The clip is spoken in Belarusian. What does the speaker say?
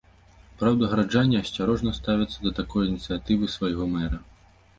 Праўда, гараджане асцярожна ставяцца да такой ініцыятывы свайго мэра.